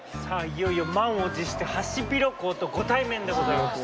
いよいよ満を持してハシビロコウとご対面でございます。